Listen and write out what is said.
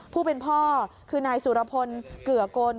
ผู้เป็นพ่อคือนายสุรพลเกือกล